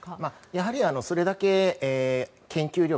やはり、それだけ研究力